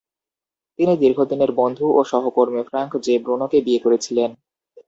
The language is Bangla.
তিনি দীর্ঘদিনের বন্ধু এবং সহকর্মী ফ্রাঙ্ক জে ব্রুনোকে বিয়ে করেছিলেন।